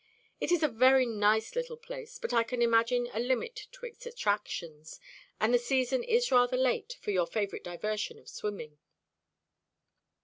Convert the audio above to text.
It is a very nice little place, but I can imagine a limit to its attractions, and the season is rather late for your favourite diversion of swimming.